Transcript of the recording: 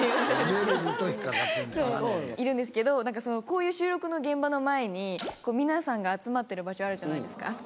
いるんですけどこういう収録の現場の前に皆さんが集まってる場所あるじゃないですか。